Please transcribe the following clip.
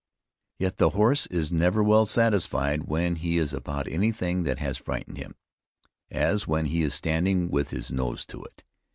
Yet the horse is never well satisfied when he is about anything that has frightened him, as when he is standing with his nose to it.